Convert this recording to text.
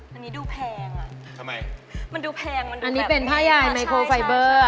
มันดูแพงมันดูแบบเมื่อแล้วนะใช่ไหมใช่อันนี้เป็นผ้ายายไมโครไฟเบอร์